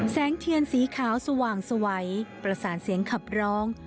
แสงเทียนสีขาวสว่างสวัยประสานเสียงขับร้อง